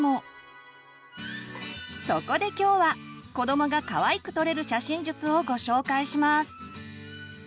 そこで今日は子どもがかわいく撮れる写真術をご紹介します！